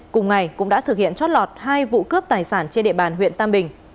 cùng ngày cũng đã thực hiện chót lọt hai vụ cướp tài sản trên địa bàn huyện tam bình